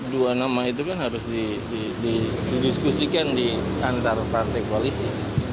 dua nama itu kan harus didiskusikan di antar partai koalisi